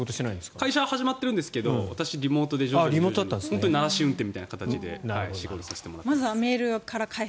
会社は始まってるんですけど私、リモートで慣らし運転みたいな形で仕事させてもらってます。